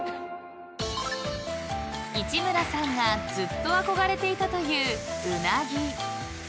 ［市村さんがずっと憧れていたといううなぎ］